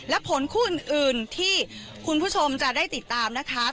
และผลคู่อื่นที่คุณผู้ชมจะได้ติดตามนะคะ